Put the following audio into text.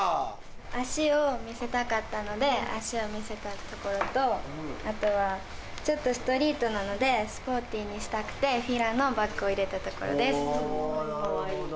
足を見せたかったので、足を見せたところと、あとは、ちょっとストリートなので、スポーティーにしたくて、ＦＩＬＡのバッグを入れたところです。